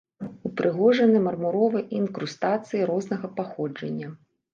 Упрыгожаны мармуровай інкрустацыяй рознага паходжання.